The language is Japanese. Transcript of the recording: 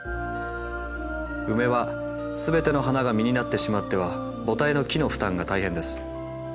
ウメは全ての花が実になってしまっては母体の木の負担が大変です。